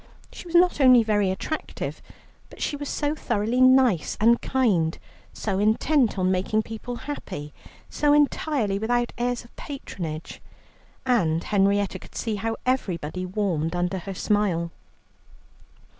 She was not only very attractive, but she was so thoroughly nice and kind, so intent on making people happy, so entirely without airs of patronage, and Henrietta could see how everybody warmed under her smile.